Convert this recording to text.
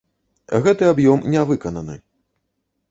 Гэты аб'ём не выкананы.